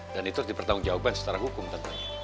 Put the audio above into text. dan itu harus dipertanggung jawaban secara hukum tentunya